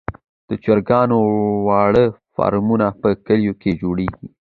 د چرګانو واړه فارمونه په کليو کې جوړیږي.